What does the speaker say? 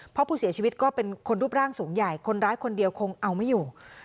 เพราะผู้เสียชีวิตก็เป็นคนรูปร่างสูงใหญ่คนร้ายคนเดียวคงเอาไม่อยู่